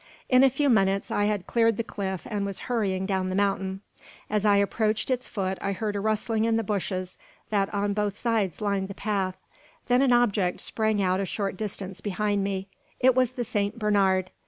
In a few minutes I had cleared the cliff and was hurrying down the mountain. As I approached its foot I heard a rustling in the bushes that on both sides lined the path. Then an object sprang out a short distance behind me. It was the Saint Bernard.